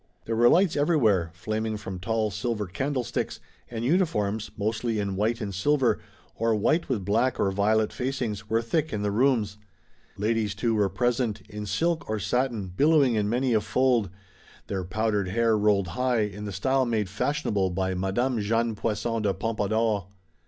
There were lights everywhere, flaming from tall silver candlesticks, and uniforms, mostly in white and silver, or white with black or violet facings, were thick in the rooms. Ladies, too, were present, in silk or satin billowing in many a fold, their powdered hair rolled high in the style made fashionable by Madame Jeanne Poisson de Pompadour.